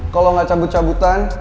kalo gak cabut cabutan